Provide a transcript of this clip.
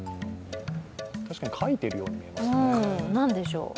確かに、かいているように見えますね。